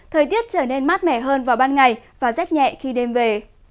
thời tiết trở nên mát mẻ hơn vào ban ngày và rét nhẹ khi đêm về